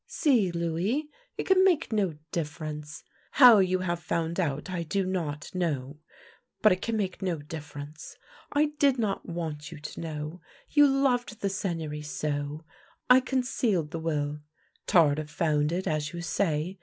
See, Louis. It can make no difference. How you have found out I do not. know, but it can make no difference. I did not want you to know — you loved the Seigneury so! I con cealed the will. Tardif found it, as you say.